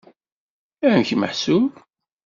Amek meḥsub?